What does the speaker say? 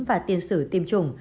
và tiến sử tiêm chủng